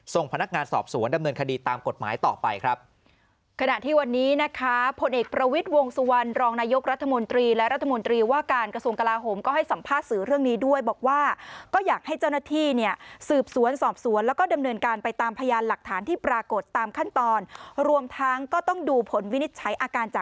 ส่งพนักงานสอบสวนดำเนินคดีตามกฎหมายต่อไปครับ